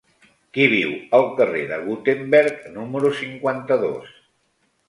Qui viu al carrer de Gutenberg número cinquanta-dos?